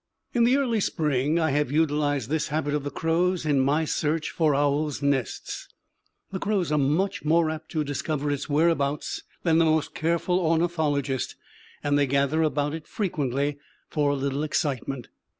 In the early spring I have utilized this habit of the crows in my search for owls' nests. The crows are much more apt to discover its whereabouts than the most careful ornithologist, and they gather about it frequently for a little excitement.